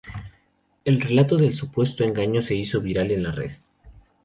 El relato del supuesto engaño se hizo viral en la red.